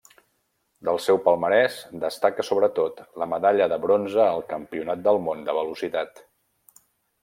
Del seu palmarès destaca sobretot la medalla de bronze al Campionat del món de velocitat.